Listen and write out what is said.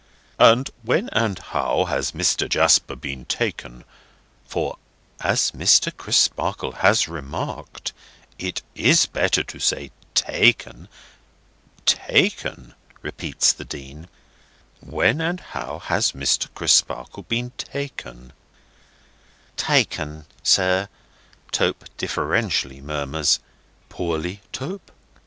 "And when and how has Mr. Jasper been taken—for, as Mr. Crisparkle has remarked, it is better to say taken—taken—" repeats the Dean; "when and how has Mr. Jasper been Taken—" "Taken, sir," Tope deferentially murmurs. "—Poorly, Tope?"